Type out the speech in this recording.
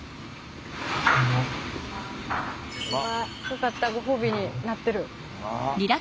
よかったご褒美になってる。